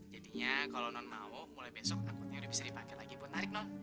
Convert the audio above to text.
jadinya kalau non mau mulai besok angkotnya udah bisa dipakai lagi buat tarik non